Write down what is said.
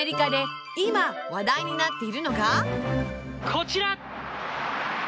こちら！